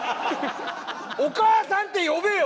お母さんって呼べよ！